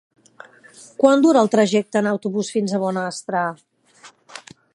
Quant dura el trajecte en autobús fins a Bonastre?